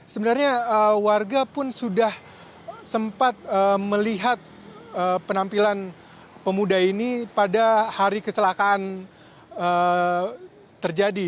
sebenarnya warga pun sudah sempat melihat penampilan pemuda ini pada hari kecelakaan terjadi